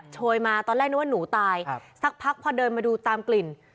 โชยมาตอนแรกนึกว่าหนูตายสักพักพอเดินมาดูตามกลิ่น